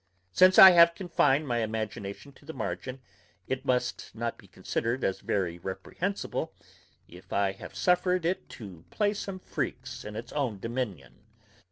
Since I have confined my imagination to the margin, it must not be considered as very reprehensible, if I have suffered it to play some freaks in its own dominion.